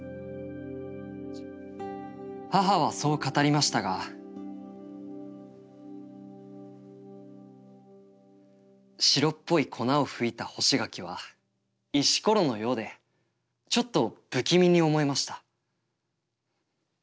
母はそう語りましたが白っぽい粉をふいた干し柿は石ころのようでちょっと不気味に思えました。